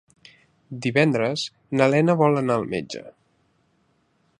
Divendres na Lena vol anar al metge.